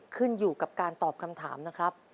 ขึ้นอยู่กับการตอบคำถามนะครับ